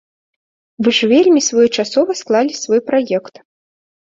Вы ж вельмі своечасова склалі свой праект!